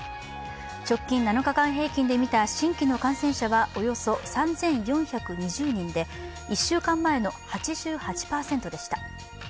直近７日間平均で見た新規の感染者はおよそ３４２０人で、１週間前の８８％でした。